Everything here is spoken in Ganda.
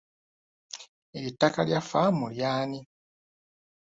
Eryo ettaka lya faamu ly'ani?